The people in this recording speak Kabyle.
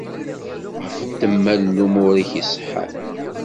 Ɣef ddemma n lumuṛ-ik iṣeḥḥan.